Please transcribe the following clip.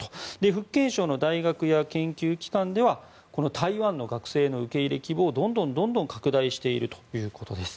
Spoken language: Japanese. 福建省の大学や研究機関では台湾の学生の受け入れ規模をどんどん拡大しているということです。